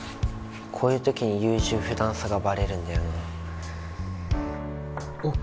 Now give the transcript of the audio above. こういう時に優柔不断さがバレるんだよな。